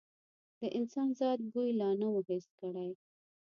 د انسان ذات بوی لا نه و حس کړی.